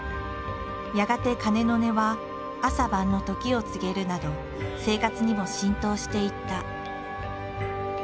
やがて鐘の音は朝晩の時を告げるなど生活にも浸透していった。